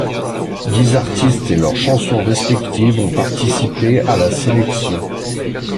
Dix artistes et leurs chansons respectives ont participé à la sélection.